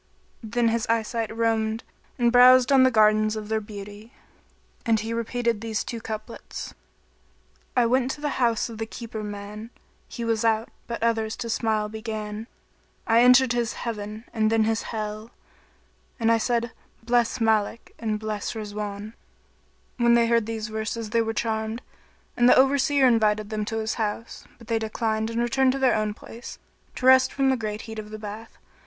Then his eye sight roamed and browsed on the gardens of their beauty and he repeated these two couplets, "I went to the house of the keeper man; * He was out, but others to smile began: I entered his Heaven[FN#23] and then his Hell;[FN#24] * And I said 'Bless Málik[FN#25] and bless Rizwán.' "[FN#26] When they heard these verses they were charmed, and the Over seer invited them to his house; but they declined and returned to their own place, to rest from the great heat of the bath.